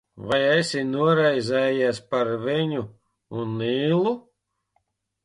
Vai esi noraizējies par viņu un Nīlu?